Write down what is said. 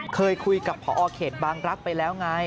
เคยคุยกับพอเขตบางรักษ์ไปแล้วไง